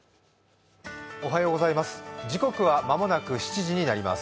時刻は間もなく７時になります。